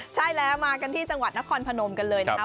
ใช่แล้วมากันที่จังหวัดนครพนมกันเลยนะครับ